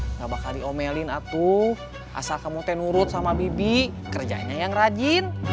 enggak bakal diomelin atuh asal kamu teh nurut sama bibi kerjanya yang rajin